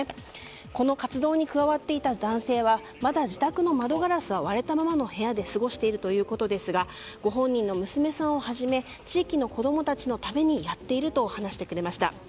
この活動に加わっていた男性はまだ自宅の窓ガラスは割れたままの部屋で過ごしているということですがご本人の娘さんをはじめ地域の子供たちのためにやっていると話してくれました。